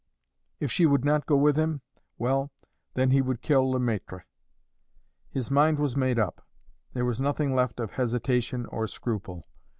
If she would not go with him well, then he would kill Le Maître. His mind was made up; there was nothing left of hesitation or scruple.